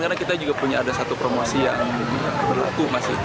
karena kita juga punya ada satu promosi yang berlaku